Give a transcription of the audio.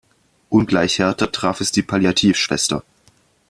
Ungleich härter traf es die Palliativschwester.